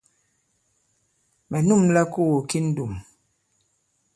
Mɛ̀ nûmla kogo ki ndùm.